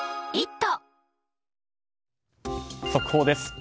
速報です。